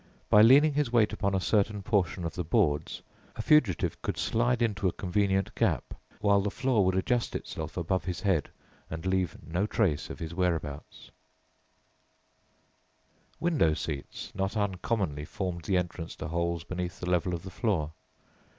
By leaning his weight upon a certain portion of the boards, a fugitive could slide into a convenient gap, while the floor would adjust itself above his head and leave no trace of his where abouts. [Illustration: ENTRANCE TO HIDING PLACE, PARHAM HALL, SUSSEX] Window seats not uncommonly formed the entrance to holes beneath the level of the floor.